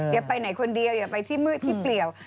อย่าไปไหนคนเดียวอย่าไปที่มืดที่เปลี่ยว